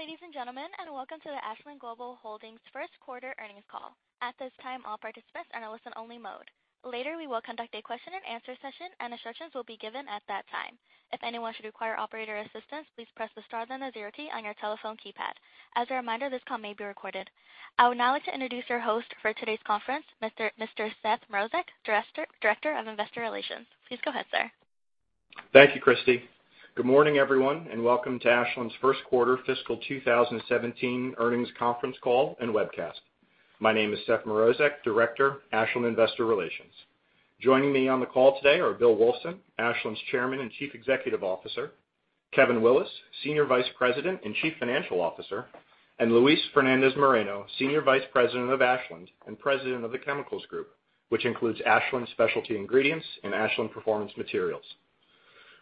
Good day, ladies and gentlemen, and welcome to the Ashland Global Holdings first quarter earnings call. At this time, all participants are in listen only mode. Later, we will conduct a question and answer session, and instructions will be given at that time. If anyone should require operator assistance, please press the star then the zero key on your telephone keypad. As a reminder, this call may be recorded. I would now like to introduce your host for today's conference, Mr. Seth Mrozek, Director of Investor Relations. Please go ahead, sir. Thank you, Christy. Good morning, everyone, and welcome to Ashland's first quarter fiscal 2017 earnings conference call and webcast. My name is Seth Mrozek, Director, Ashland Investor Relations. Joining me on the call today are Bill Wulfsohn, Ashland's Chairman and Chief Executive Officer, Kevin Willis, Senior Vice President and Chief Financial Officer, and Luis Fernandez-Moreno, Senior Vice President of Ashland and President of the Chemicals Group, which includes Ashland Specialty Ingredients and Ashland Performance Materials.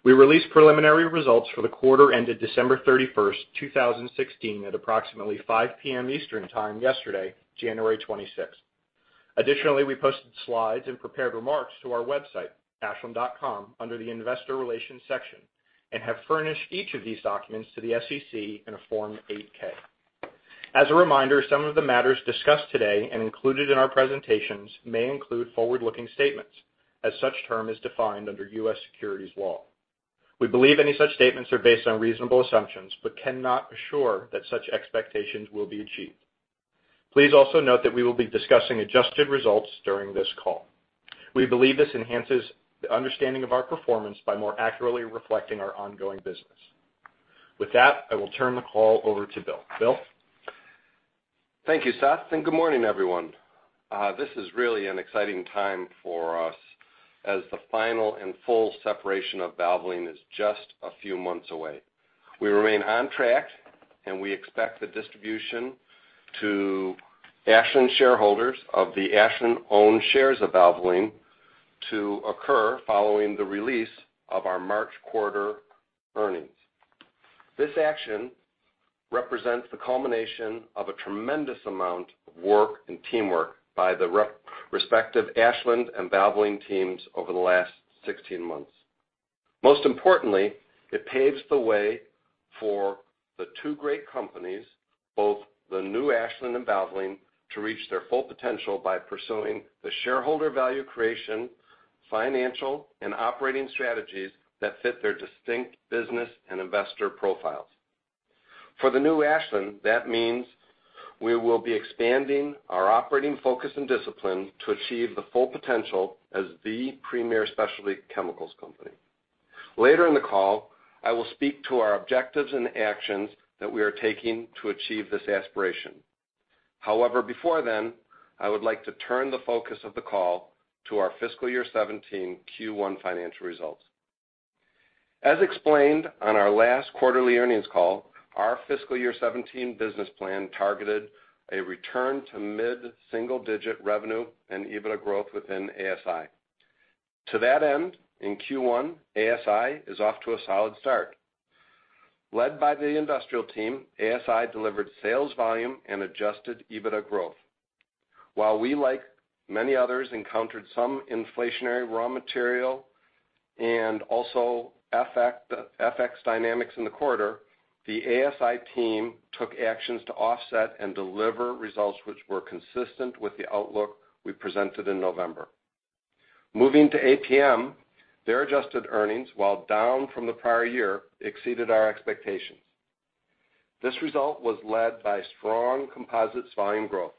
We released preliminary results for the quarter ended December 31st, 2016 at approximately 5:00 P.M. Eastern time yesterday, January 26th. Additionally, we posted slides and prepared remarks to our website, ashland.com, under the investor relations section and have furnished each of these documents to the SEC in a Form 8-K. As a reminder, some of the matters discussed today and included in our presentations may include forward-looking statements, as such term is defined under U.S. securities law. We believe any such statements are based on reasonable assumptions but cannot assure that such expectations will be achieved. Please also note that we will be discussing adjusted results during this call. We believe this enhances the understanding of our performance by more accurately reflecting our ongoing business. With that, I will turn the call over to Bill. Bill? Thank you, Seth, and good morning, everyone. This is really an exciting time for us as the final and full separation of Valvoline is just a few months away. We remain on track, and we expect the distribution to Ashland shareholders of the Ashland-owned shares of Valvoline to occur following the release of our March quarter earnings. This action represents the culmination of a tremendous amount of work and teamwork by the respective Ashland and Valvoline teams over the last 16 months. Most importantly, it paves the way for the two great companies, both the new Ashland and Valvoline, to reach their full potential by pursuing the shareholder value creation, financial, and operating strategies that fit their distinct business and investor profiles. For the new Ashland, that means we will be expanding our operating focus and discipline to achieve the full potential as the premier specialty chemicals company. Later in the call, I will speak to our objectives and actions that we are taking to achieve this aspiration. However, before then, I would like to turn the focus of the call to our fiscal year 2017 Q1 financial results. As explained on our last quarterly earnings call, our fiscal year 2017 business plan targeted a return to mid-single-digit revenue and EBITDA growth within ASI. To that end, in Q1, ASI is off to a solid start. Led by the industrial team, ASI delivered sales volume and adjusted EBITDA growth. While we, like many others, encountered some inflationary raw material and also FX dynamics in the quarter, the ASI team took actions to offset and deliver results which were consistent with the outlook we presented in November. Moving to APM, their adjusted earnings, while down from the prior year, exceeded our expectations. This result was led by strong composites volume growth.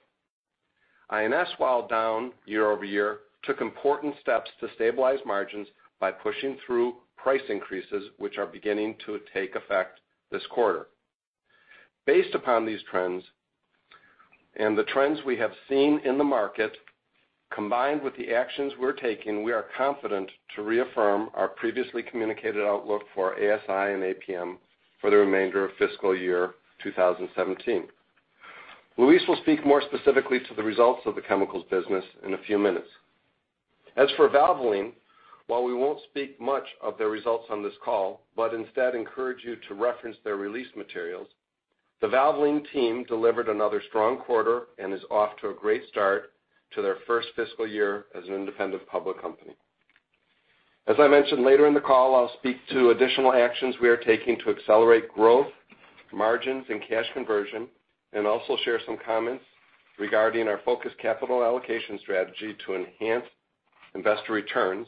INS, while down year-over-year, took important steps to stabilize margins by pushing through price increases, which are beginning to take effect this quarter. Based upon these trends and the trends we have seen in the market, combined with the actions we're taking, we are confident to reaffirm our previously communicated outlook for ASI and APM for the remainder of fiscal year 2017. Luis will speak more specifically to the results of the chemicals business in a few minutes. As for Valvoline, while we won't speak much of their results on this call, but instead encourage you to reference their release materials, the Valvoline team delivered another strong quarter and is off to a great start to their first fiscal year as an independent public company. As I mentioned, later in the call, I'll speak to additional actions we are taking to accelerate growth, margins, and cash conversion, and also share some comments regarding our focused capital allocation strategy to enhance investor returns.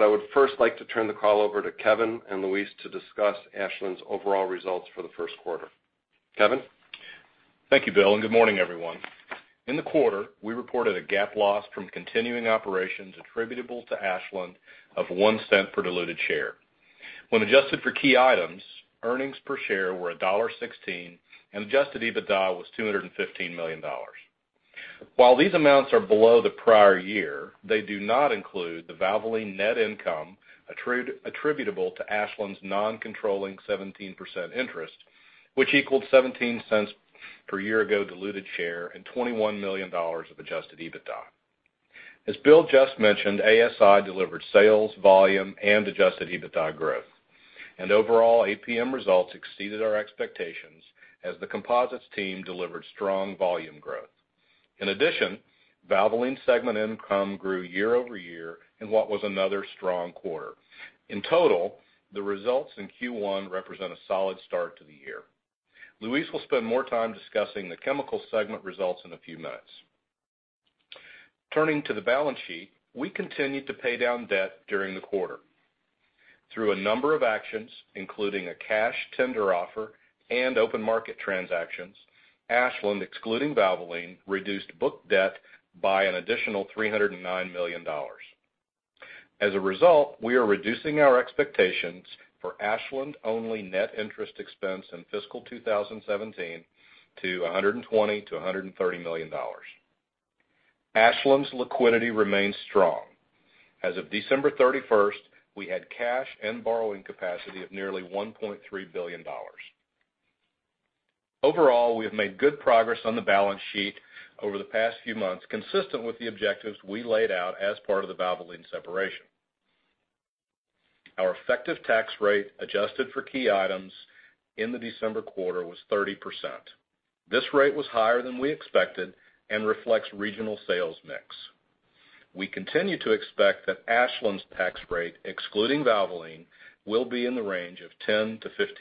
I would first like to turn the call over to Kevin and Luis to discuss Ashland's overall results for the first quarter. Kevin? Thank you, Bill, and good morning, everyone. In the quarter, we reported a GAAP loss from continuing operations attributable to Ashland of $0.01 per diluted share. When adjusted for key items, earnings per share were $1.16, and adjusted EBITDA was $215 million. While these amounts are below the prior year, they do not include the Valvoline net income attributable to Ashland's non-controlling 17% interest, which equaled $0.17 per year-ago diluted share and $21 million of adjusted EBITDA. As Bill just mentioned, ASI delivered sales volume and adjusted EBITDA growth. Overall, APM results exceeded our expectations as the composites team delivered strong volume growth. In addition, Valvoline segment income grew year-over-year in what was another strong quarter. In total, the results in Q1 represent a solid start to the year. Luis will spend more time discussing the Chemical segment results in a few minutes. Turning to the balance sheet, we continued to pay down debt during the quarter. Through a number of actions, including a cash tender offer and open market transactions, Ashland, excluding Valvoline, reduced book debt by an additional $309 million. As a result, we are reducing our expectations for Ashland-only net interest expense in FY 2017 to $120 million-$130 million. Ashland's liquidity remains strong. As of December 31, we had cash and borrowing capacity of nearly $1.3 billion. Overall, we have made good progress on the balance sheet over the past few months, consistent with the objectives we laid out as part of the Valvoline separation. Our effective tax rate, adjusted for key items in the December quarter, was 30%. This rate was higher than we expected and reflects regional sales mix. We continue to expect that Ashland's tax rate, excluding Valvoline, will be in the range of 10%-15%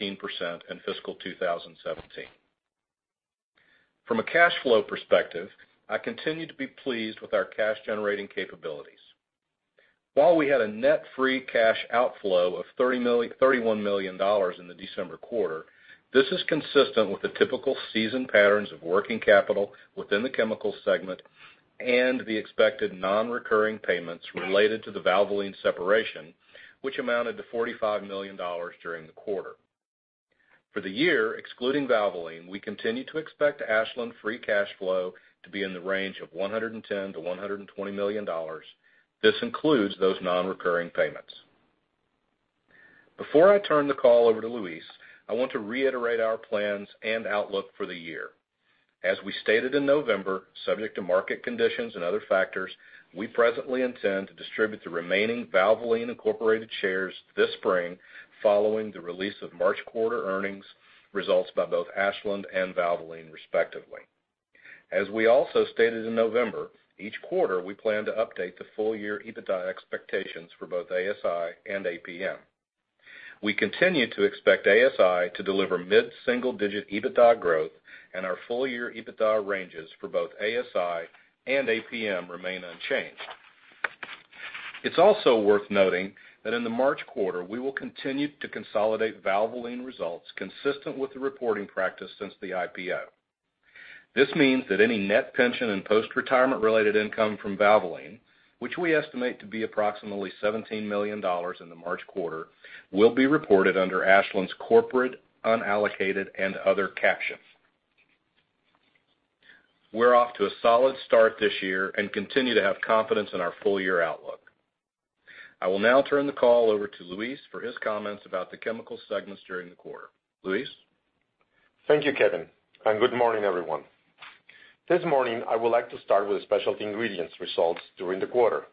in FY 2017. From a cash flow perspective, I continue to be pleased with our cash-generating capabilities. While we had a net free cash outflow of $31 million in the December quarter, this is consistent with the typical season patterns of working capital within the Chemicals Group and the expected non-recurring payments related to the Valvoline separation, which amounted to $45 million during the quarter. For the year, excluding Valvoline, we continue to expect Ashland free cash flow to be in the range of $110 million-$120 million. This includes those non-recurring payments. Before I turn the call over to Luis, I want to reiterate our plans and outlook for the year. As we stated in November, subject to market conditions and other factors, we presently intend to distribute the remaining Valvoline Inc. shares this spring, following the release of March quarter earnings results by both Ashland and Valvoline, respectively. As we also stated in November, each quarter, we plan to update the full-year EBITDA expectations for both ASI and APM. We continue to expect ASI to deliver mid-single-digit EBITDA growth, and our full-year EBITDA ranges for both ASI and APM remain unchanged. It's also worth noting that in the March quarter, we will continue to consolidate Valvoline results consistent with the reporting practice since the IPO. This means that any net pension and post-retirement-related income from Valvoline, which we estimate to be approximately $17 million in the March quarter, will be reported under Ashland's corporate unallocated and other captions. We're off to a solid start this year and continue to have confidence in our full-year outlook. I will now turn the call over to Luis for his comments about the Chemicals Group during the quarter. Luis? Thank you, Kevin, and good morning, everyone. This morning, I would like to start with Specialty Ingredients results during the quarter.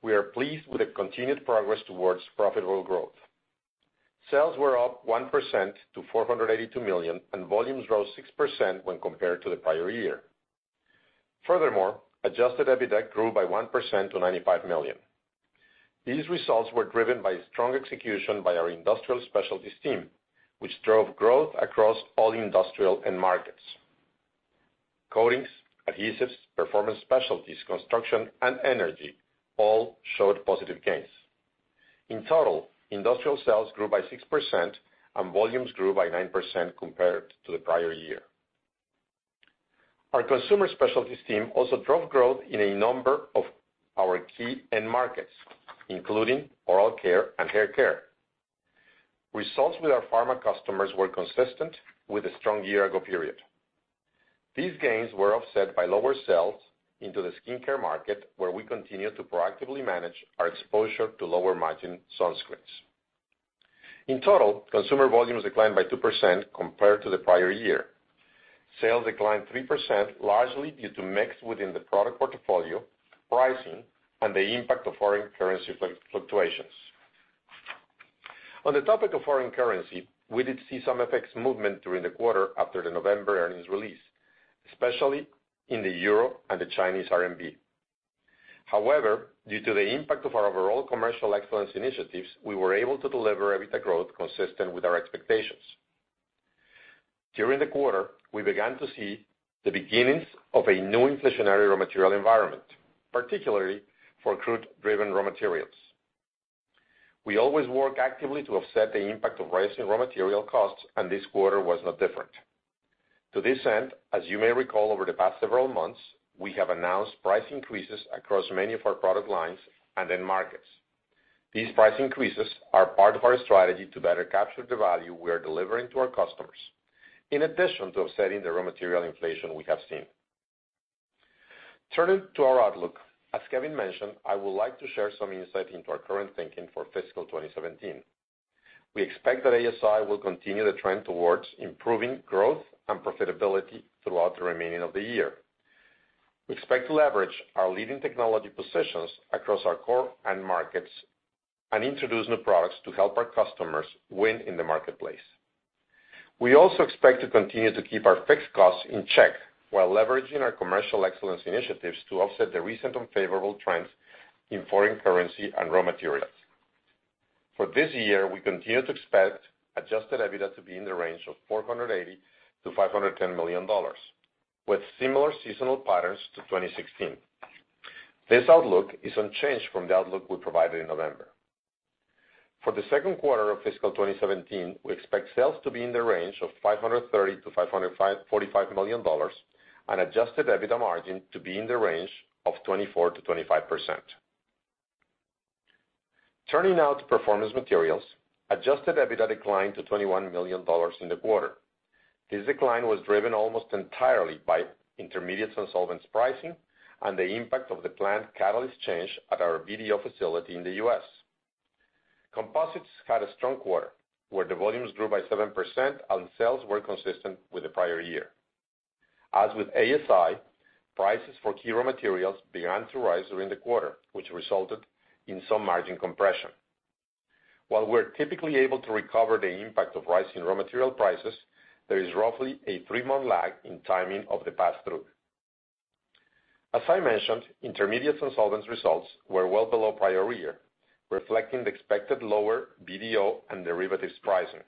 We are pleased with the continued progress towards profitable growth. Sales were up 1% to $482 million, and volumes rose 6% when compared to the prior year. Furthermore, adjusted EBITDA grew by 1% to $95 million. These results were driven by strong execution by our industrial specialties team, which drove growth across all industrial end markets. Coatings, adhesives, performance specialties, construction, and energy all showed positive gains. In total, industrial sales grew by 6%, and volumes grew by 9% compared to the prior year. Our consumer specialties team also drove growth in a number of our key end markets, including oral care and hair care. Results with our pharma customers were consistent with a strong year-ago period. These gains were offset by lower sales into the skincare market, where we continue to proactively manage our exposure to lower-margin sunscreens. In total, consumer volumes declined by 2% compared to the prior year. Sales declined 3%, largely due to mix within the product portfolio, pricing, and the impact of foreign currency fluctuations. On the topic of foreign currency, we did see some FX movement during the quarter after the November earnings release, especially in the euro and the Chinese RMB. However, due to the impact of our overall Commercial Excellence Initiatives, we were able to deliver EBITDA growth consistent with our expectations. During the quarter, we began to see the beginnings of a new inflationary raw material environment, particularly for crude-driven raw materials. We always work actively to offset the impact of rising raw material costs, and this quarter was no different. To this end, as you may recall over the past several months, we have announced price increases across many of our product lines and end markets. These price increases are part of our strategy to better capture the value we are delivering to our customers, in addition to offsetting the raw material inflation we have seen. Turning to our outlook, as Kevin mentioned, I would like to share some insight into our current thinking for fiscal 2017. We expect that ASI will continue the trend towards improving growth and profitability throughout the remaining of the year. We expect to leverage our leading technology positions across our core end markets and introduce new products to help our customers win in the marketplace. We also expect to continue to keep our fixed costs in check while leveraging our Commercial Excellence Initiatives to offset the recent unfavorable trends in foreign currency and raw materials. For this year, we continue to expect adjusted EBITDA to be in the range of $480 million-$510 million, with similar seasonal patterns to 2016. This outlook is unchanged from the outlook we provided in November. For the second quarter of fiscal 2017, we expect sales to be in the range of $530 million-$545 million, and adjusted EBITDA margin to be in the range of 24%-25%. Turning now to Performance Materials. Adjusted EBITDA declined to $21 million in the quarter. This decline was driven almost entirely by intermediates and solvents pricing and the impact of the planned catalyst change at our BDO facility in the U.S. Composites had a strong quarter, where the volumes grew by 7% and sales were consistent with the prior year. As with ASI, prices for key raw materials began to rise during the quarter, which resulted in some margin compression. While we're typically able to recover the impact of rising raw material prices, there is roughly a three-month lag in timing of the pass-through. As I mentioned, intermediates and solvents results were well below prior year, reflecting the expected lower BDO and derivatives pricing.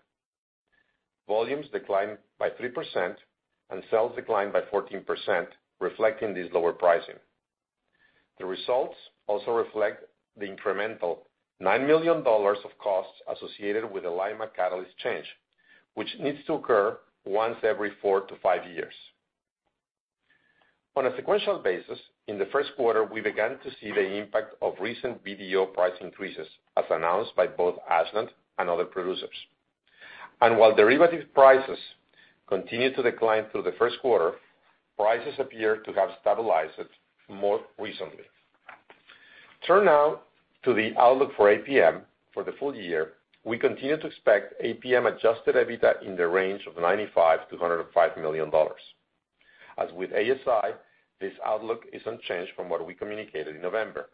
Volumes declined by 3%, and sales declined by 14%, reflecting this lower pricing. The results also reflect the incremental $9 million of costs associated with the Lima catalyst change, which needs to occur once every four to five years. On a sequential basis, in the first quarter, we began to see the impact of recent BDO price increases, as announced by both Ashland and other producers. While derivatives prices continued to decline through the first quarter, prices appear to have stabilized more recently. Turn now to the outlook for APM for the full year. We continue to expect APM adjusted EBITDA in the range of $95 million-$105 million. As with ASI, this outlook is unchanged from what we communicated in November.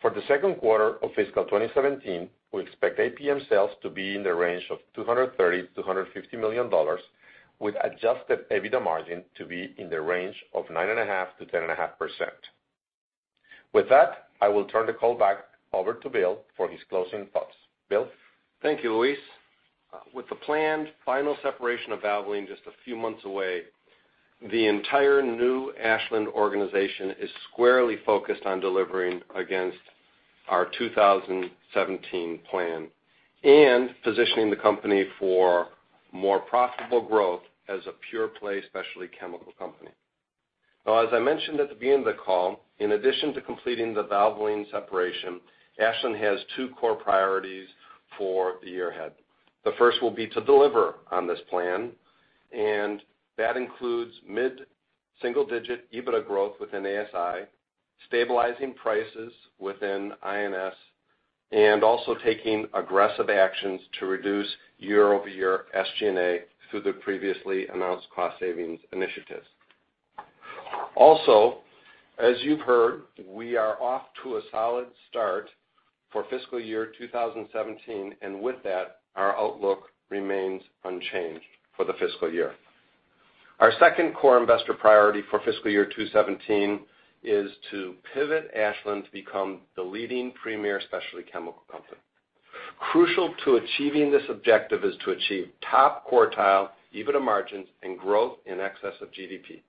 For the second quarter of fiscal 2017, we expect APM sales to be in the range of $230 million-$250 million, with adjusted EBITDA margin to be in the range of 9.5%-10.5%. With that, I will turn the call back over to Bill for his closing thoughts. Bill? Thank you, Luis. With the planned final separation of Valvoline just a few months away, the entire new Ashland organization is squarely focused on delivering against our 2017 plan and positioning the company for more profitable growth as a pure-play specialty chemical company. As I mentioned at the beginning of the call, in addition to completing the Valvoline separation, Ashland has two core priorities for the year ahead. The first will be to deliver on this plan, and that includes mid-single-digit EBITDA growth within ASI, stabilizing prices within INS, and also taking aggressive actions to reduce year-over-year SG&A through the previously announced cost savings initiatives. As you've heard, we are off to a solid start for fiscal year 2017. With that, our outlook remains unchanged for the fiscal year. Our second core investor priority for fiscal year 2017 is to pivot Ashland to become the leading premier specialty chemical company. Crucial to achieving this objective is to achieve top quartile EBITDA margins and growth in excess of GDP.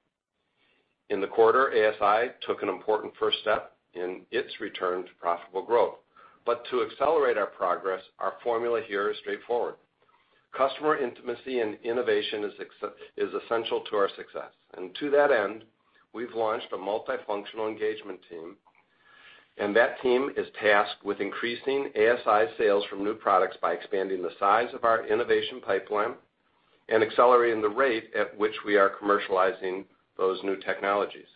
In the quarter, ASI took an important first step in its return to profitable growth. To accelerate our progress, our formula here is straightforward. Customer intimacy and innovation is essential to our success. To that end, we've launched a multifunctional engagement team, and that team is tasked with increasing ASI sales from new products by expanding the size of our innovation pipeline and accelerating the rate at which we are commercializing those new technologies.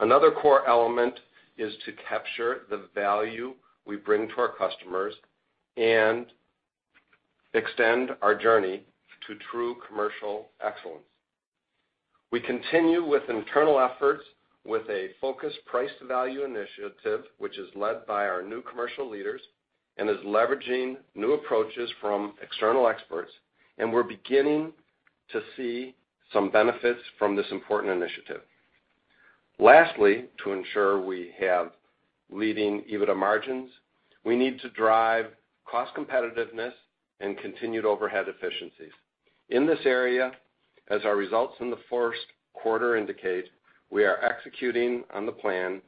Another core element is to capture the value we bring to our customers and extend our journey to true commercial excellence. We continue with internal efforts with a focused price to value initiative, which is led by our new commercial leaders and is leveraging new approaches from external experts. We're beginning to see some benefits from this important initiative. Lastly, to ensure we have leading EBITDA margins, we need to drive cost competitiveness and continued overhead efficiencies. In this area, as our results in the first quarter indicate, we are executing on the plan.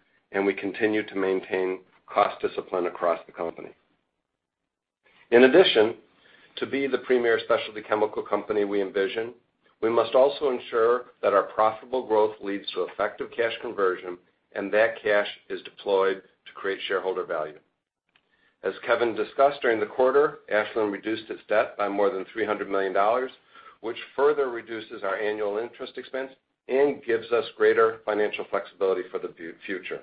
We continue to maintain cost discipline across the company. In addition, to be the premier specialty chemical company we envision, we must also ensure that our profitable growth leads to effective cash conversion, and that cash is deployed to create shareholder value. As Kevin discussed during the quarter, Ashland reduced its debt by more than $300 million, which further reduces our annual interest expense and gives us greater financial flexibility for the future.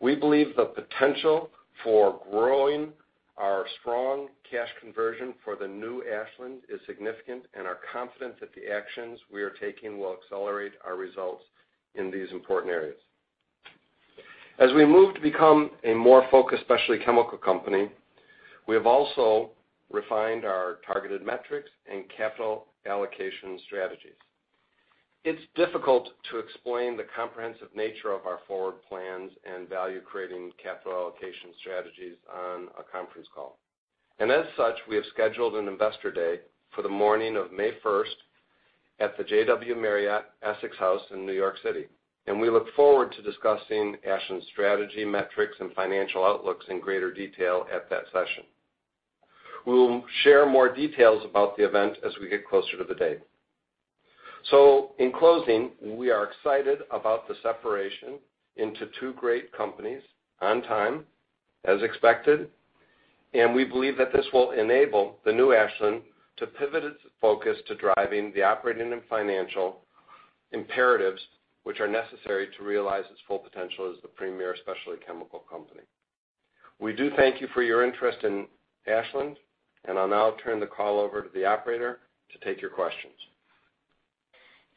We believe the potential for growing our strong cash conversion for the new Ashland is significant. Are confident that the actions we are taking will accelerate our results in these important areas. As we move to become a more focused specialty chemical company, we have also refined our targeted metrics and capital allocation strategies. It's difficult to explain the comprehensive nature of our forward plans and value-creating capital allocation strategies on a conference call. As such, we have scheduled an an investor day for the morning of May 1st at the JW Marriott Essex House in New York City. We look forward to discussing Ashland's strategy, metrics, and financial outlooks in greater detail at that session. We'll share more details about the event as we get closer to the date. In closing, we are excited about the separation into two great companies on time, as expected. We believe that this will enable the new Ashland to pivot its focus to driving the operating and financial imperatives which are necessary to realize its full potential as the premier specialty chemical company. We do thank you for your interest in Ashland. I'll now turn the call over to the operator to take your questions.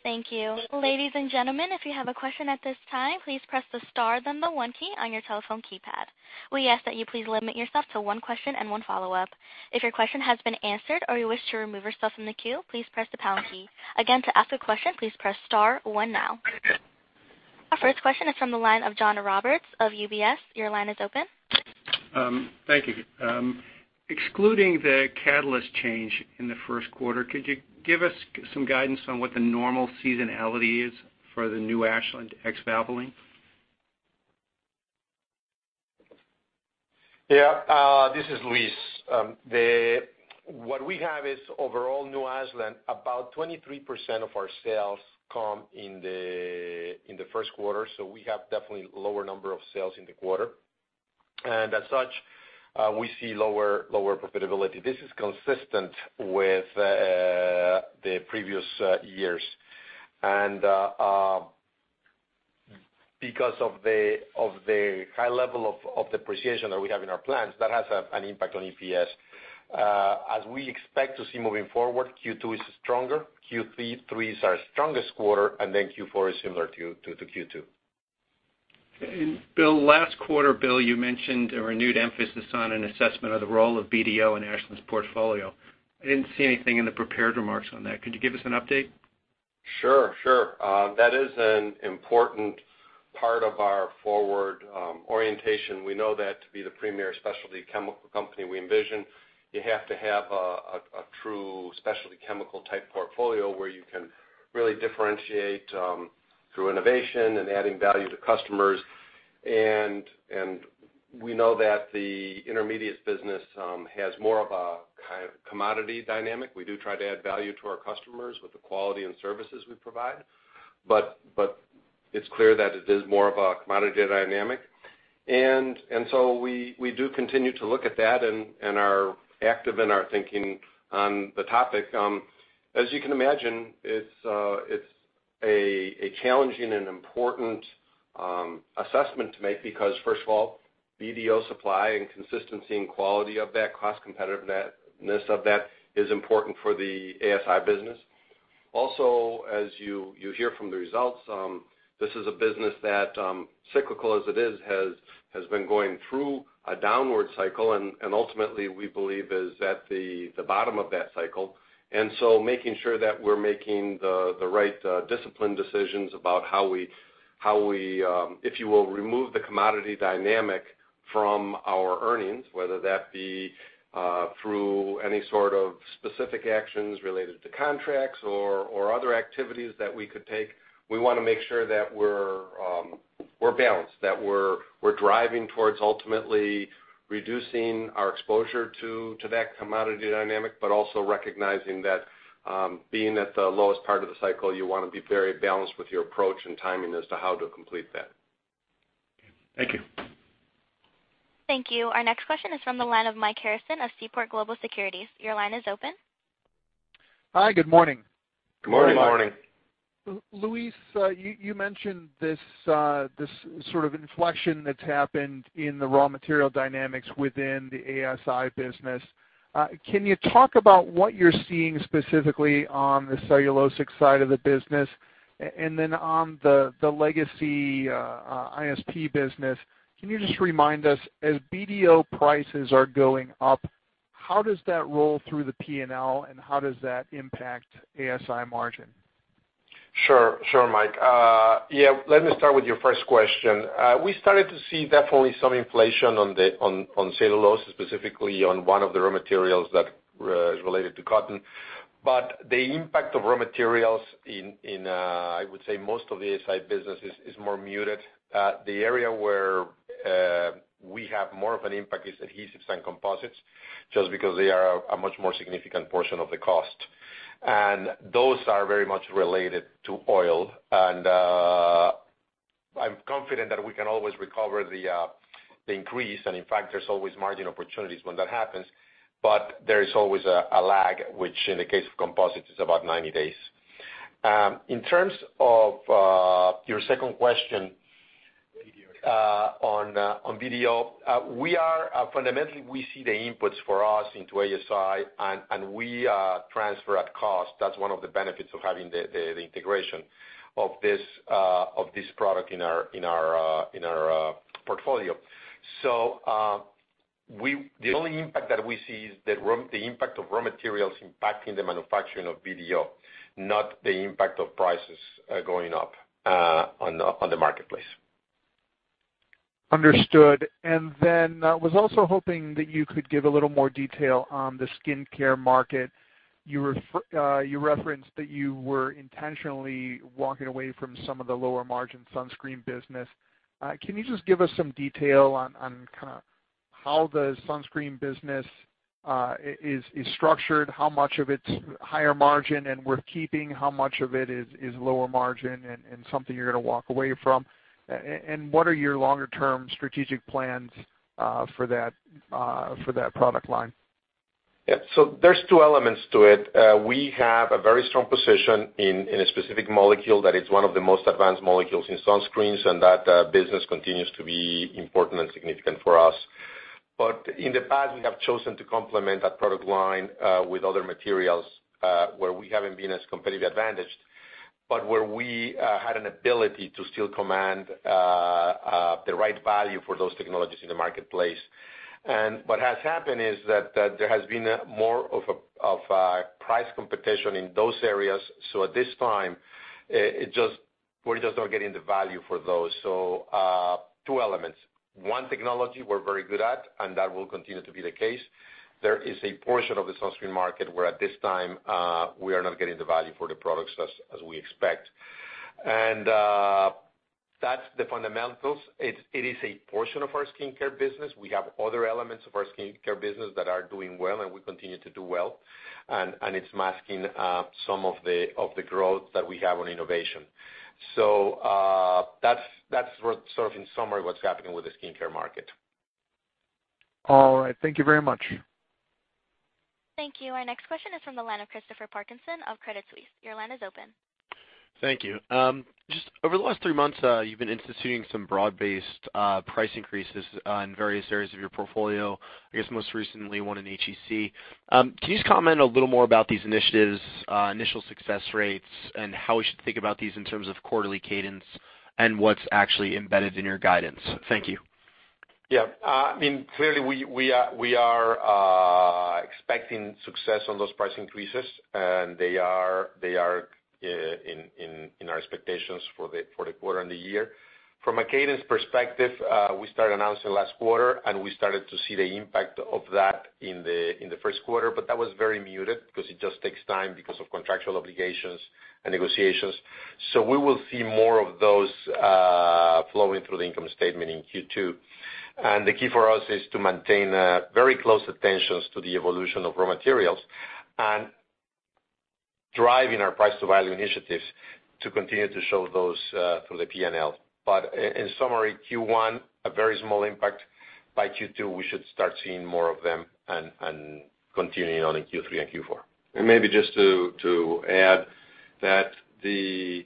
Thank you. Ladies and gentlemen, if you have a question at this time, please press the star, then the one key on your telephone keypad. We ask that you please limit yourself to one question and one follow-up. If your question has been answered or you wish to remove yourself from the queue, please press the pound key. Again, to ask a question, please press star one now. Our first question is from the line of John Roberts of UBS. Your line is open. Thank you. Excluding the catalyst change in the first quarter, could you give us some guidance on what the normal seasonality is for the new Ashland ex Valvoline? Yeah, this is Luis. What we have is overall new Ashland, about 23% of our sales come in the first quarter, so we have definitely lower number of sales in the quarter. As such, we see lower profitability. This is consistent with the previous years. Because of the high level of depreciation that we have in our plans, that has an impact on EPS. As we expect to see moving forward, Q2 is stronger, Q3 is our strongest quarter, Q4 is similar to Q2. Bill, last quarter, Bill, you mentioned a renewed emphasis on an assessment of the role of BDO in Ashland's portfolio. I didn't see anything in the prepared remarks on that. Could you give us an update? Sure. That is an important part of our forward orientation. We know that to be the premier specialty chemical company we envision, you have to have a true specialty chemical type portfolio where you can really differentiate through innovation and adding value to customers. We know that the intermediate business has more of a commodity dynamic. We do try to add value to our customers with the quality and services we provide, but it's clear that it is more of a commodity dynamic. We do continue to look at that and are active in our thinking on the topic. As you can imagine, it's a challenging and important assessment to make because first of all, BDO supply and consistency and quality of that cost competitiveness of that is important for the ASI business. As you hear from the results, this is a business that, cyclical as it is, has been going through a downward cycle and ultimately we believe is at the bottom of that cycle. Making sure that we're making the right disciplined decisions about how we, if you will, remove the commodity dynamic from our earnings, whether that be through any sort of specific actions related to contracts or other activities that we could take. We want to make sure that we're balanced, that we're driving towards ultimately reducing our exposure to that commodity dynamic, but also recognizing that being at the lowest part of the cycle, you want to be very balanced with your approach and timing as to how to complete that. Thank you. Thank you. Our next question is from the line of Mike Harrison of Seaport Global Securities. Your line is open. Hi, good morning. Good morning. Good morning. Luis, you mentioned this sort of inflection that's happened in the raw material dynamics within the ASI business. Can you talk about what you're seeing specifically on the cellulosic side of the business? Then on the legacy ISP business, can you just remind us, as BDO prices are going up, how does that roll through the P&L and how does that impact ASI margin? Sure, Mike. Yeah, let me start with your first question. We started to see definitely some inflation on cellulose, specifically on one of the raw materials that is related to cotton. The impact of raw materials in, I would say most of the ASI businesses, is more muted. The area where we have more of an impact is adhesives and composites, just because they are a much more significant portion of the cost. Those are very much related to oil. I'm confident that we can always recover the increase, and in fact, there's always margin opportunities when that happens. There is always a lag, which in the case of composites, is about 90 days. In terms of your second question on BDO, fundamentally we see the inputs for us into ASI and we transfer at cost. That's one of the benefits of having the integration of this product in our portfolio. The only impact that we see is the impact of raw materials impacting the manufacturing of BDO, not the impact of prices going up on the marketplace. Understood. I was also hoping that you could give a little more detail on the skincare market. You referenced that you were intentionally walking away from some of the lower margin sunscreen business. Can you just give us some detail on how the sunscreen business is structured, how much of it's higher margin and worth keeping, how much of it is lower margin and something you're going to walk away from? What are your longer-term strategic plans for that product line? There's two elements to it. We have a very strong position in a specific molecule that is one of the most advanced molecules in sunscreens, and that business continues to be important and significant for us. In the past, we have chosen to complement that product line with other materials, where we haven't been as competitive advantaged, but where we had an ability to still command the right value for those technologies in the marketplace. What has happened is that there has been more of a price competition in those areas. At this time, we're just not getting the value for those. Two elements. One technology we're very good at, and that will continue to be the case. There is a portion of the sunscreen market where at this time, we are not getting the value for the products as we expect. That's the fundamentals. It is a portion of our skincare business. We have other elements of our skincare business that are doing well and will continue to do well. It's masking some of the growth that we have on innovation. That's in summary, what's happening with the skincare market. All right. Thank you very much. Thank you. Our next question is from the line of Christopher Parkinson of Credit Suisse. Your line is open. Thank you. Just over the last three months, you've been instituting some broad-based price increases on various areas of your portfolio, I guess most recently one in HEC. Can you just comment a little more about these initiatives, initial success rates, and how we should think about these in terms of quarterly cadence, and what's actually embedded in your guidance? Thank you. Yeah. Clearly, we are expecting success on those price increases, and they are in our expectations for the quarter and the year. From a cadence perspective, we started announcing last quarter, and we started to see the impact of that in the first quarter, but that was very muted because it just takes time because of contractual obligations and negotiations. We will see more of those flowing through the income statement in Q2. The key for us is to maintain very close attentions to the evolution of raw materials and driving our price to value initiatives to continue to show those through the P&L. In summary, Q1, a very small impact. By Q2, we should start seeing more of them and continuing on in Q3 and Q4. Maybe just to add that the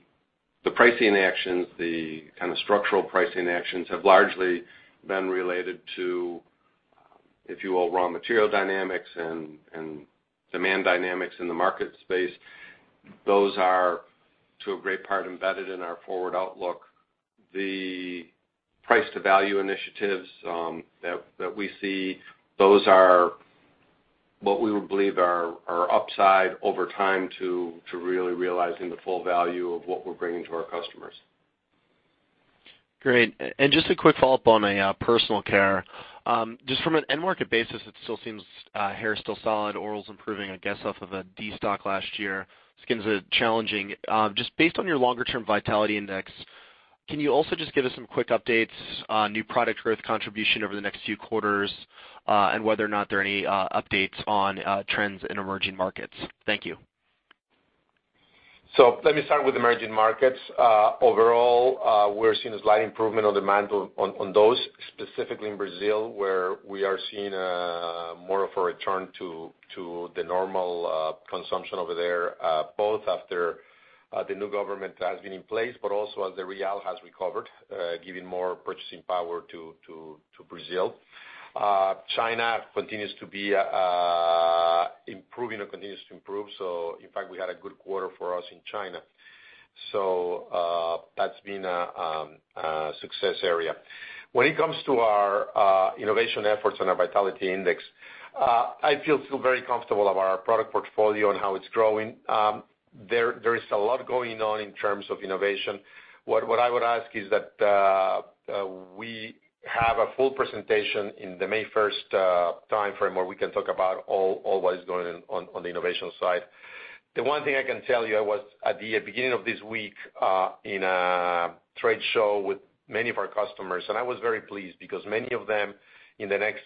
pricing actions, the kind of structural pricing actions have largely been related to, if you will, raw material dynamics and demand dynamics in the market space. Those are, to a great part, embedded in our forward outlook. The price to value initiatives that we see, those are what we would believe are upside over time to really realizing the full value of what we're bringing to our customers. Great. Just a quick follow-up on personal care. Just from an end market basis, it still seems hair is still solid, oral's improving, I guess off of a destock last year. Skin's challenging. Just based on your longer term vitality index, can you also just give us some quick updates on new product growth contribution over the next few quarters, and whether or not there are any updates on trends in emerging markets? Thank you. Let me start with emerging markets. Overall, we're seeing a slight improvement on demand on those, specifically in Brazil, where we are seeing more of a return to the normal consumption over there, both after the new government has been in place, but also as the real has recovered, giving more purchasing power to Brazil. China continues to be improving or continues to improve. In fact, we had a good quarter for us in China. That's been a success area. When it comes to our innovation efforts and our vitality index, I feel still very comfortable of our product portfolio and how it's growing. There is a lot going on in terms of innovation. What I would ask is that, we have a full presentation in the May 1st timeframe where we can talk about all what is going on the innovation side. The one thing I can tell you, I was at the beginning of this week in a trade show with many of our customers, and I was very pleased because many of them in the next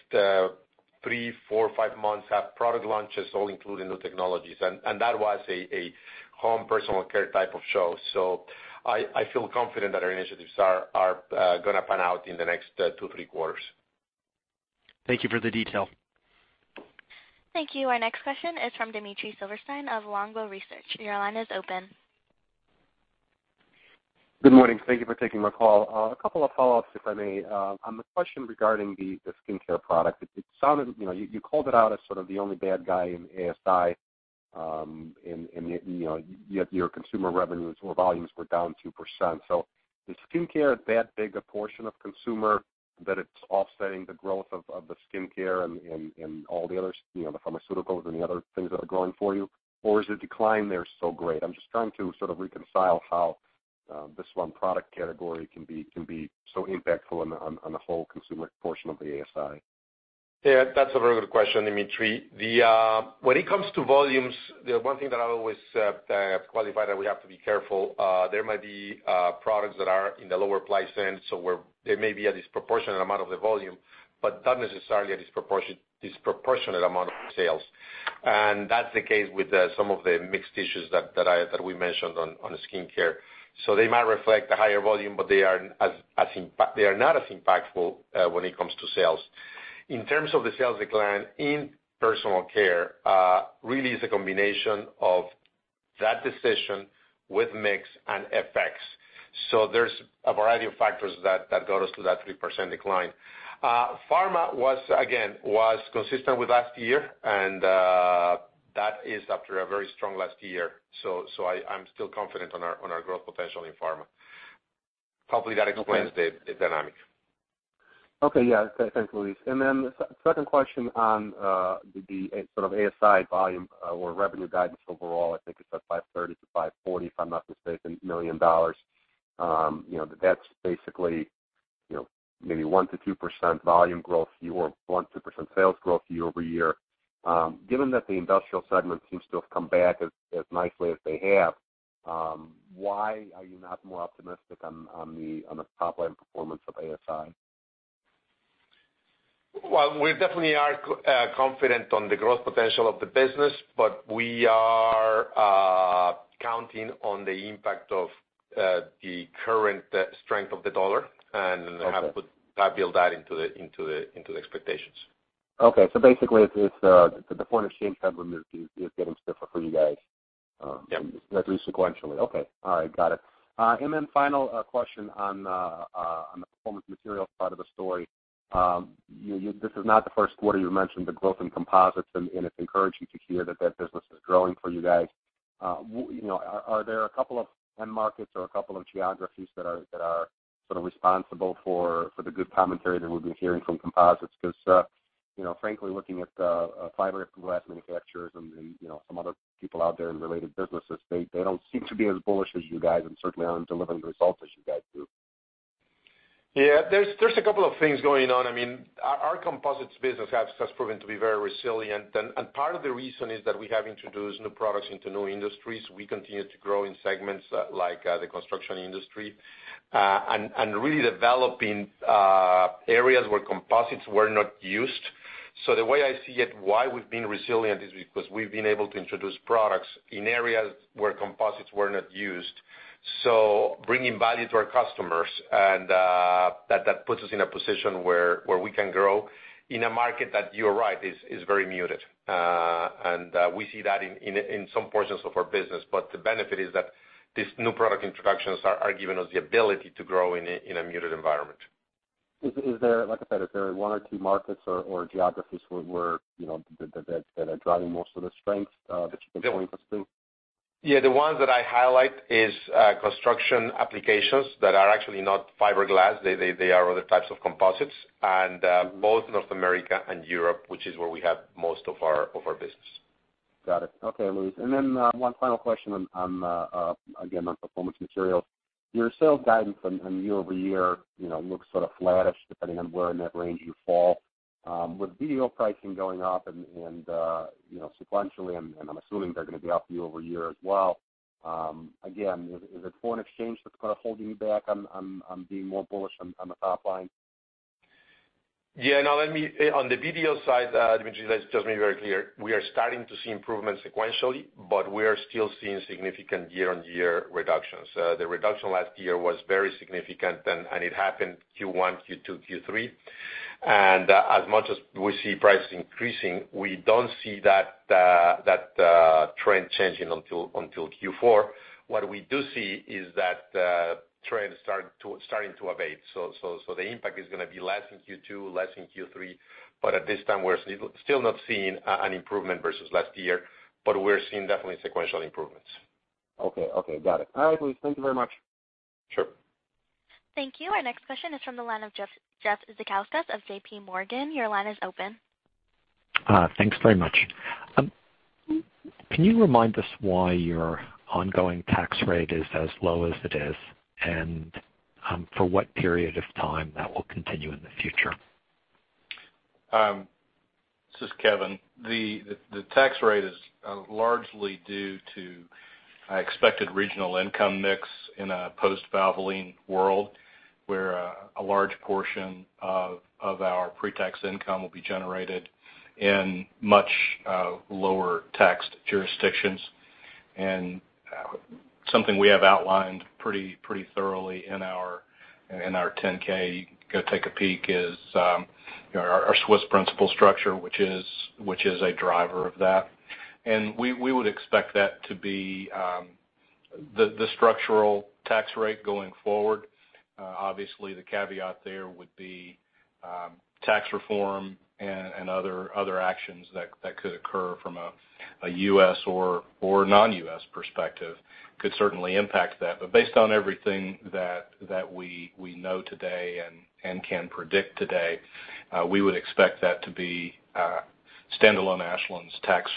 three, four, five months have product launches, all including new technologies. That was a home personal care type of show. I feel confident that our initiatives are gonna pan out in the next two, three quarters. Thank you for the detail. Thank you. Our next question is from Dmitry Silversteyn of Longbow Research. Your line is open. Good morning. Thank you for taking my call. A couple of follow-ups, if I may. On the question regarding the skincare product, you called it out as sort of the only bad guy in ASI. Yet your consumer revenues or volumes were down 2%. Is skincare that big a portion of consumer that it's offsetting the growth of the skincare and all the pharmaceuticals and the other things that are growing for you? Or is the decline there so great? I'm just trying to sort of reconcile how this one product category can be so impactful on the whole consumer portion of the ASI. Yeah, that's a very good question, Dmitry. When it comes to volumes, the one thing that I always qualify that we have to be careful, there might be products that are in the lower price end, so where they may be a disproportionate amount of the volume, but not necessarily a disproportionate amount of sales. That's the case with some of the mixed issues that we mentioned on skincare. They might reflect a higher volume, but they are not as impactful when it comes to sales. In terms of the sales decline in personal care, really is a combination of that decision with mix and FX. There's a variety of factors that got us to that 3% decline. Pharma, again, was consistent with last year, and that is after a very strong last year. I'm still confident on our growth potential in pharma. Hopefully that explains the dynamic. Okay. Yeah. Thanks, Luis. Then second question on the sort of ASI volume or revenue guidance overall, I think it's at $530 million-$540 million, if I'm not mistaken. That's basically maybe 1%-2% volume growth year, or 1%-2% sales growth year-over-year. Given that the industrial segment seems to have come back as nicely as they have, why are you not more optimistic on the top-line performance of ASI? Well, we definitely are confident on the growth potential of the business, we are counting on the impact of the current strength of the dollar and have to build that into the expectations. Okay. Basically, it's the foreign exchange headroom is getting stiffer for you guys. Yeah at least sequentially. Okay. All right. Got it. Final question on the Performance Materials side of the story. This is not the first quarter you've mentioned the growth in composites, and it's encouraging to hear that that business is growing for you guys. Are there a couple of end markets or a couple of geographies that are sort of responsible for the good commentary that we've been hearing from composites? Because, frankly, looking at fiberglass manufacturers and some other people out there in related businesses, they don't seem to be as bullish as you guys and certainly aren't delivering the results as you guys do. There's a couple of things going on. Our composites business has proven to be very resilient, part of the reason is that we have introduced new products into new industries. We continue to grow in segments like the construction industry, really developing areas where composites were not used. The way I see it, why we've been resilient is because we've been able to introduce products in areas where composites were not used, bringing value to our customers. That puts us in a position where we can grow in a market that, you're right, is very muted. We see that in some portions of our business. The benefit is that these new product introductions are giving us the ability to grow in a muted environment. Like I said, is there one or two markets or geographies that are driving most of the strength that you can point us to? The ones that I highlight is construction applications that are actually not fiberglass. They are other types of composites, both North America and Europe, which is where we have most of our business. Got it. Okay, Luis. One final question, again, on Ashland Performance Materials. Your sales guidance on year-over-year looks sort of flattish, depending on where in that range you fall. With BDO pricing going up and sequentially, I'm assuming they're going to be up year-over-year as well. Again, is it foreign exchange that's kind of holding you back on being more bullish on the top line? Yeah. On the BDO side, Dmitry, let's just be very clear. We are starting to see improvements sequentially, but we are still seeing significant year-on-year reductions. The reduction last year was very significant, and it happened Q1, Q2, Q3. As much as we see prices increasing, we don't see that trend changing until Q4. What we do see is that trend starting to abate. The impact is gonna be less in Q2, less in Q3, but at this time, we're still not seeing an improvement versus last year, but we're seeing definitely sequential improvements. Okay. Got it. All right, Luis. Thank you very much. Sure. Thank you. Our next question is from the line of Jeff Zekauskas of J.P. Morgan. Your line is open. Thanks very much. Can you remind us why your ongoing tax rate is as low as it is, and for what period of time that will continue in the future? This is Kevin. The tax rate is largely due to expected regional income mix in a post-Valvoline world, where a large portion of our pre-tax income will be generated in much lower tax jurisdictions. Something we have outlined pretty thoroughly in our 10-K, go take a peek, is our Swiss principal structure, which is a driver of that. We would expect that to be the structural tax rate going forward. Obviously, the caveat there would be tax reform and other actions that could occur from a U.S. or non-U.S. perspective could certainly impact that. Based on everything that we know today and can predict today, we would expect that to be standalone Ashland's tax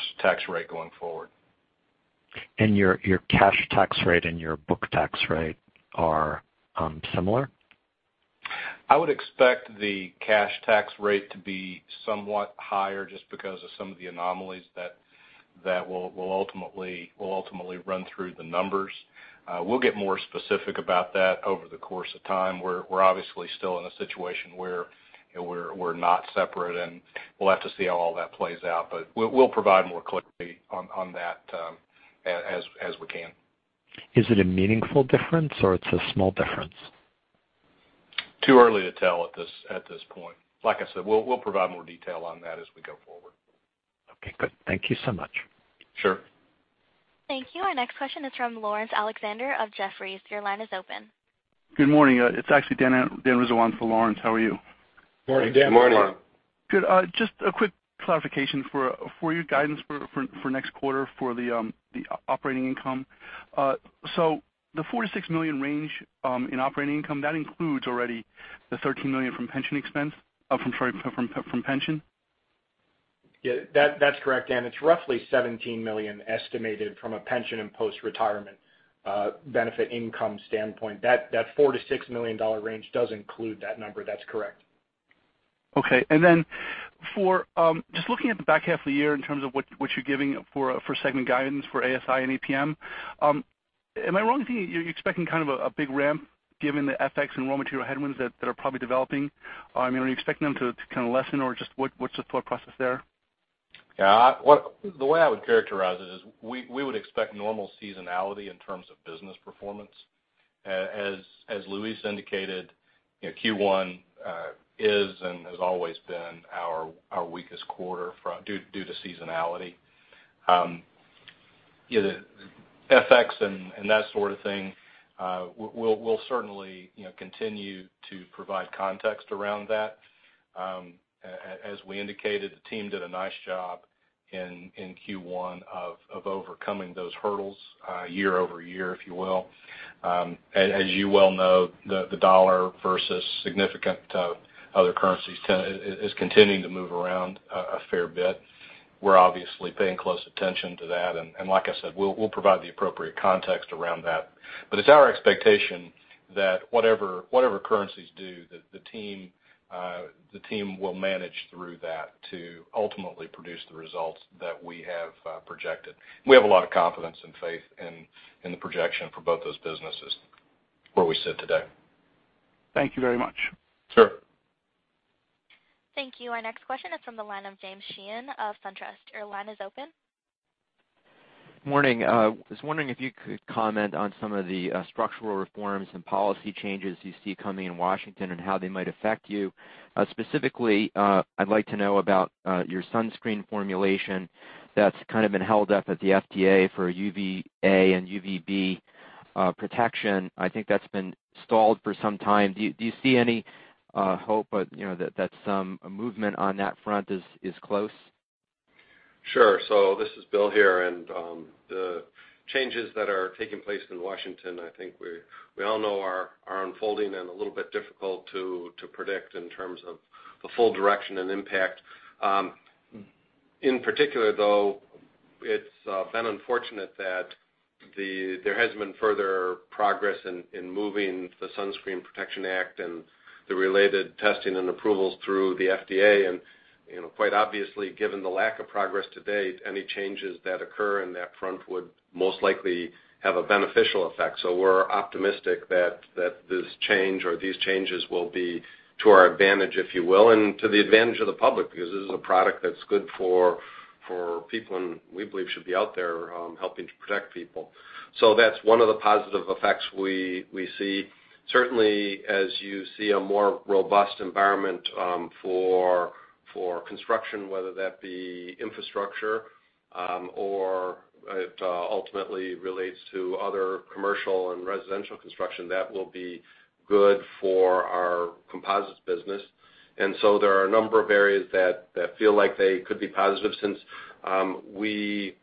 rate going forward. Your cash tax rate and your book tax rate are similar? I would expect the cash tax rate to be somewhat higher just because of some of the anomalies that will ultimately run through the numbers. We'll get more specific about that over the course of time. We're obviously still in a situation where we're not separate, and we'll have to see how all that plays out. We'll provide more clarity on that as we can. Is it a meaningful difference or it's a small difference? Too early to tell at this point. Like I said, we'll provide more detail on that as we go forward. Okay, good. Thank you so much. Sure. Thank you. Our next question is from Laurence Alexander of Jefferies. Your line is open. Good morning. It's actually Dan Rizzo for Laurence. How are you? Morning, Dan. Morning. Good. Just a quick clarification for your guidance for next quarter for the operating income. The $46 million range in operating income, that includes already the $13 million from pension? Yeah, that's correct. It's roughly $17 million estimated from a pension and post-retirement benefit income standpoint. That $4 million-$6 million range does include that number. That's correct. Okay. Just looking at the back half of the year in terms of what you're giving for segment guidance for ASI and APM, am I wrong in thinking you're expecting kind of a big ramp given the FX and raw material headwinds that are probably developing? Are you expecting them to kind of lessen, or just what's the thought process there? Yeah. The way I would characterize it is we would expect normal seasonality in terms of business performance. As Luis indicated, Q1 is and has always been our weakest quarter due to seasonality. The FX and that sort of thing, we'll certainly continue to provide context around that. As we indicated, the team did a nice job in Q1 of overcoming those hurdles year-over-year, if you will. As you well know, the dollar versus significant other currencies is continuing to move around a fair bit. We're obviously paying close attention to that, and like I said, we'll provide the appropriate context around that. It's our expectation that whatever currencies do, that the team will manage through that to ultimately produce the results that we have projected. We have a lot of confidence and faith in the projection for both those businesses where we sit today. Thank you very much. Sure. Thank you. Our next question is from the line of James Sheehan of SunTrust. Your line is open. Morning. I was wondering if you could comment on some of the structural reforms and policy changes you see coming in Washington and how they might affect you. Specifically, I'd like to know about your sunscreen formulation that's kind of been held up at the FDA for UVA and UVB protection. I think that's been stalled for some time. Do you see any hope that some movement on that front is close? Sure. This is Bill here. The changes that are taking place in Washington, I think we all know are unfolding and a little bit difficult to predict in terms of the full direction and impact. In particular, though, it's been unfortunate that there hasn't been further progress in moving the Sunscreen Innovation Act and the related testing and approvals through the FDA. Quite obviously, given the lack of progress to date, any changes that occur in that front would most likely have a beneficial effect. We're optimistic that this change or these changes will be to our advantage, if you will, and to the advantage of the public, because this is a product that's good for people and we believe should be out there helping to protect people. That's one of the positive effects we see. Certainly, as you see a more robust environment for construction, whether that be infrastructure or it ultimately relates to other commercial and residential construction, that will be good for our composites business. There are a number of areas that feel like they could be positive since we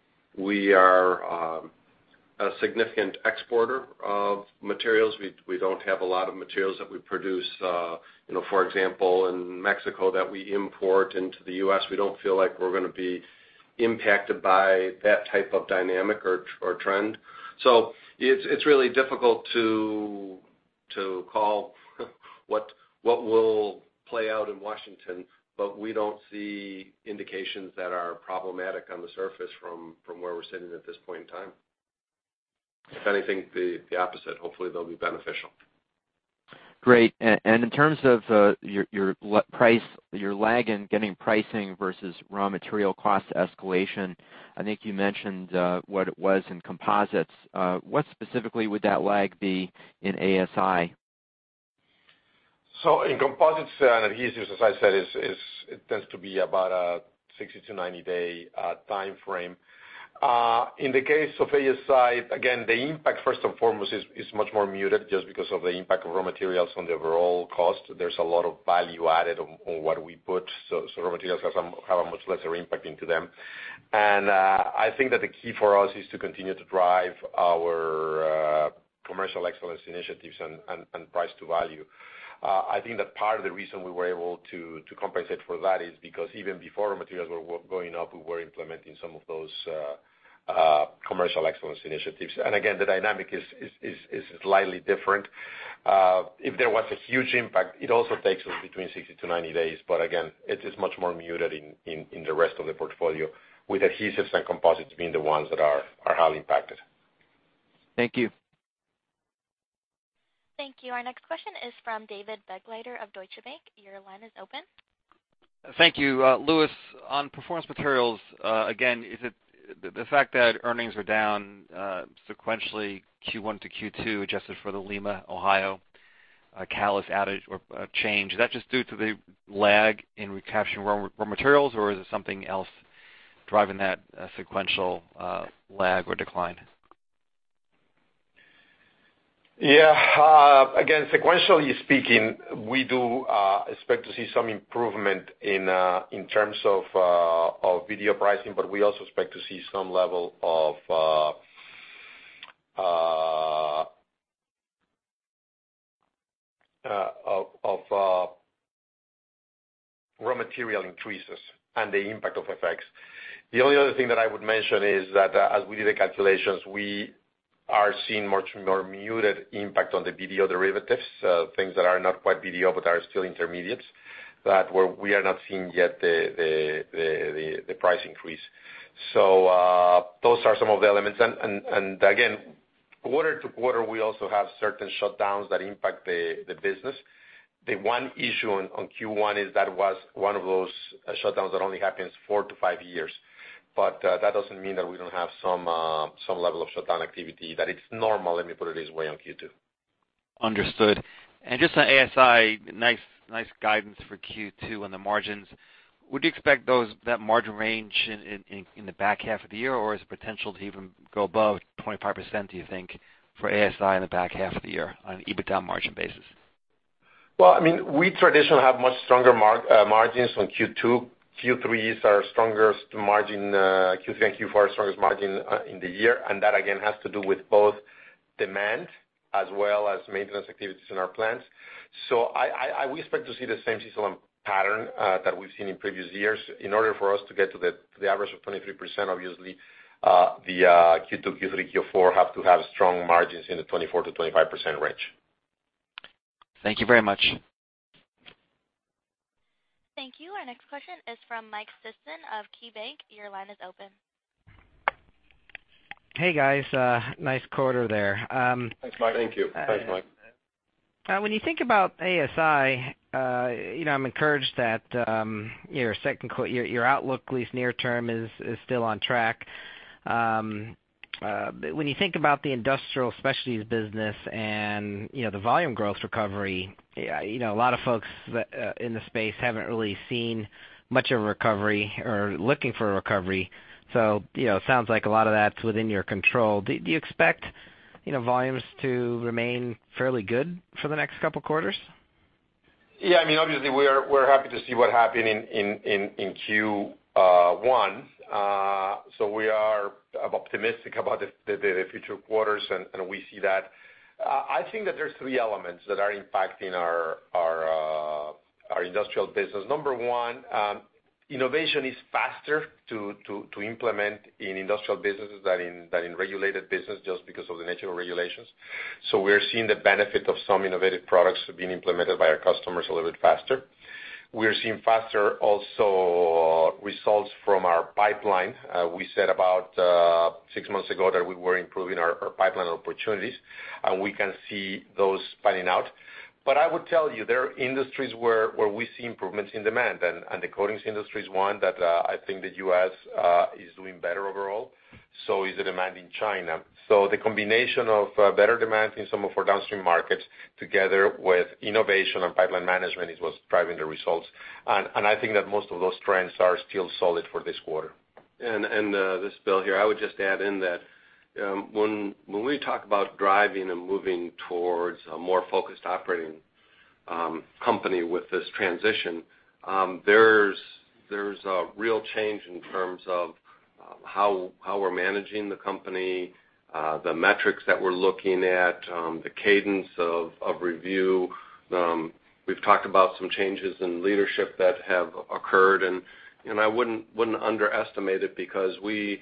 are a significant exporter of materials. We don't have a lot of materials that we produce, for example, in Mexico that we import into the U.S. We don't feel like we're going to be impacted by that type of dynamic or trend. It's really difficult to call what will play out in Washington, but we don't see indications that are problematic on the surface from where we're sitting at this point in time. If anything, the opposite. Hopefully, they'll be beneficial. Great. In terms of your lag in getting pricing versus raw material cost escalation, I think you mentioned what it was in composites. What specifically would that lag be in ASI? In composites and adhesives, as I said, it tends to be about a 60 to 90-day timeframe. In the case of ASI, again, the impact, first and foremost, is much more muted just because of the impact of raw materials on the overall cost. There's a lot of value added on what we put, raw materials have a much lesser impact into them. I think that the key for us is to continue to drive our commercial excellence initiatives and price to value. I think that part of the reason we were able to compensate for that is because even before materials were going up, we were implementing some of those commercial excellence initiatives. Again, the dynamic is slightly different. If there was a huge impact, it also takes us between 60 to 90 days. Again, it is much more muted in the rest of the portfolio, with adhesives and composites being the ones that are highly impacted. Thank you. Thank you. Our next question is from David Begleiter of Deutsche Bank. Your line is open. Thank you. Luis, on Performance Materials, again, the fact that earnings are down sequentially Q1 to Q2, adjusted for the Lima, Ohio, catalyst outage or change. Is that just due to the lag in recapturing raw materials, or is it something else driving that sequential lag or decline? Yeah. Again, sequentially speaking, we do expect to see some improvement in terms of BDO pricing, but we also expect to see some level of raw material increases and the impact of FX. The only other thing that I would mention is that as we did the calculations, we are seeing much more muted impact on the BDO derivatives, things that are not quite BDO, but are still intermediates, that we are not seeing yet the price increase. Those are some of the elements. Again, quarter-to-quarter, we also have certain shutdowns that impact the business. The one issue on Q1 is that was one of those shutdowns that only happens four to five years. That doesn't mean that we don't have some level of shutdown activity. That it's normal, let me put it this way, on Q2. Understood. Just on ASI, nice guidance for Q2 on the margins. Would you expect that margin range in the back half of the year, or is the potential to even go above 25%, do you think, for ASI in the back half of the year on an EBITDA margin basis? Well, we traditionally have much stronger margins on Q2. Q3 is our strongest margin, Q3 and Q4 are our strongest margin in the year. That, again, has to do with both demand as well as maintenance activities in our plants. We expect to see the same seasonal pattern that we've seen in previous years. In order for us to get to the average of 23%, obviously, the Q2, Q3, Q4 have to have strong margins in the 24%-25% range. Thank you very much. Thank you. Our next question is from Mike Sison of KeyBanc. Your line is open. Hey, guys. Nice quarter there. Thanks, Mike. Thank you. Thanks, Mike. When you think about ASI, I'm encouraged that your outlook, at least near term, is still on track. When you think about the industrial specialties business and the volume growth recovery, a lot of folks in the space haven't really seen much of a recovery or looking for a recovery. It sounds like a lot of that's within your control. Do you expect volumes to remain fairly good for the next couple of quarters? Yeah. Obviously, we're happy to see what happened in Q1. We are optimistic about the future quarters, and we see that. I think that there's three elements that are impacting our industrial business. Number one, innovation is faster to implement in industrial businesses than in regulated business just because of the nature of regulations. We're seeing the benefit of some innovative products being implemented by our customers a little bit faster. We're seeing faster also results from our pipeline. We said about six months ago that we were improving our pipeline opportunities, and we can see those panning out. I would tell you, there are industries where we see improvements in demand, and the coatings industry is one that I think the U.S. is doing better overall. Is the demand in China. The combination of better demand in some of our downstream markets together with innovation and pipeline management is what's driving the results. I think that most of those trends are still solid for this quarter. This is Bill here. I would just add in that when we talk about driving and moving towards a more focused operating company with this transition, there's a real change in terms of how we're managing the company, the metrics that we're looking at, the cadence of review. We've talked about some changes in leadership that have occurred, I wouldn't underestimate it because we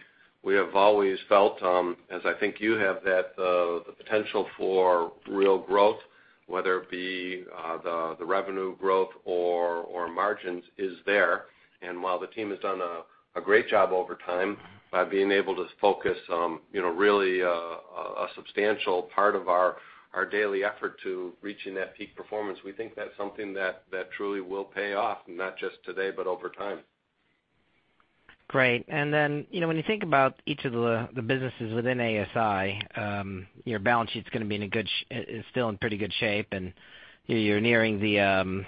have always felt, as I think you have, that the potential for real growth, whether it be the revenue growth or margins, is there. While the team has done a great job over time by being able to focus on really a substantial part of our daily effort to reaching that peak performance, we think that's something that truly will pay off, not just today, but over time. Great. When you think about each of the businesses within ASI, your balance sheet is still in pretty good shape, you're nearing the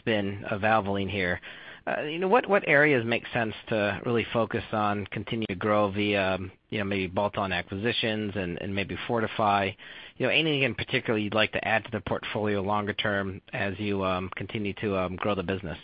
spin of Valvoline here. What areas make sense to really focus on continuing to grow via maybe bolt-on acquisitions and maybe fortify? Anything in particular you'd like to add to the portfolio longer term as you continue to grow the business?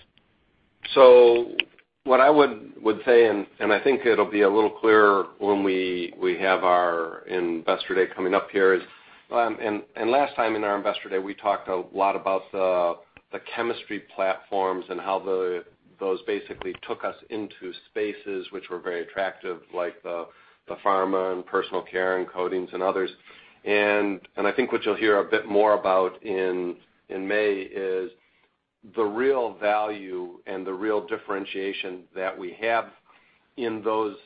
What I would say, I think it'll be a little clearer when we have our investor day coming up here is, last time in our investor day, we talked a lot about the chemistry platforms and how those basically took us into spaces which were very attractive, like the pharma and personal care and coatings and others. I think what you'll hear a bit more about in May is the real value and the real differentiation that we have in those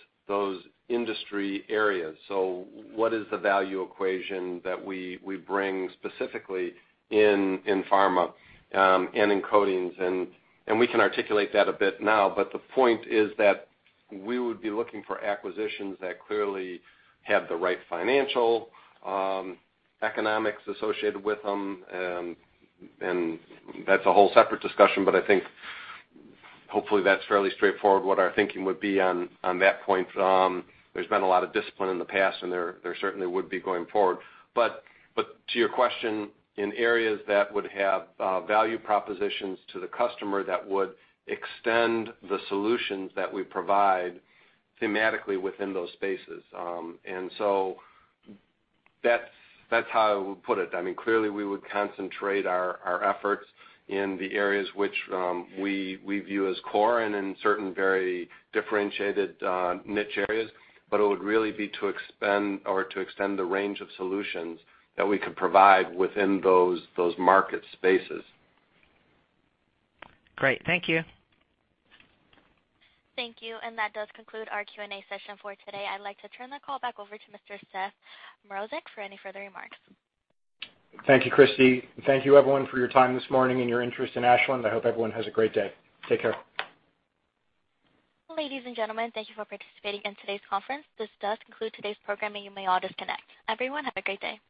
industry areas. What is the value equation that we bring specifically in pharma, and in coatings? We can articulate that a bit now, the point is that we would be looking for acquisitions that clearly have the right financial economics associated with them, that's a whole separate discussion, I think hopefully that's fairly straightforward what our thinking would be on that point. There's been a lot of discipline in the past, there certainly would be going forward. To your question, in areas that would have value propositions to the customer that would extend the solutions that we provide thematically within those spaces. That's how I would put it. Clearly, we would concentrate our efforts in the areas which we view as core and in certain very differentiated niche areas, but it would really be to extend the range of solutions that we could provide within those market spaces. Great. Thank you. Thank you. That does conclude our Q&A session for today. I'd like to turn the call back over to Mr. Seth Mrozek for any further remarks. Thank you, Christie. Thank you everyone for your time this morning and your interest in Ashland. I hope everyone has a great day. Take care. Ladies and gentlemen, thank you for participating in today's conference. This does conclude today's program, and you may all disconnect. Everyone, have a great day.